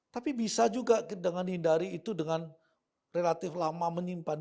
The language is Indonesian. tapi bisa juga dengan hindari itu dengan relatif lama menyimpan